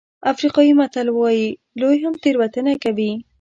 افریقایي متل وایي لوی هم تېروتنه کوي.